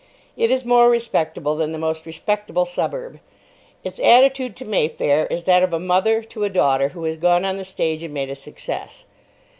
It is more respectable than the most respectable suburb. Its attitude to Mayfair is that of a mother to a daughter who has gone on the stage and made a success.